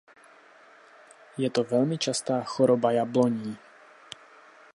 Je to velmi častá choroba jabloní.